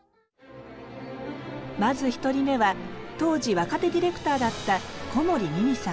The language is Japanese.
まず１人目は当時若手ディレクターだった小森美巳さん。